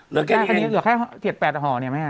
แล้วก็แค่เหลือแค่เสียดแปดห่อนี่มั้ยคะอืม